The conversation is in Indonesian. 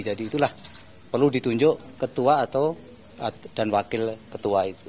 jadi itulah perlu ditunjuk ketua dan wakil ketua itu